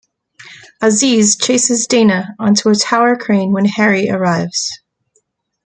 Aziz chases Dana onto a tower crane when Harry arrives.